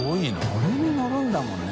これにのるんだもんね。